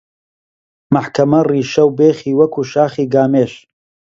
مەحکەمە ڕیشە و بێخی وەکوو شاخی گامێش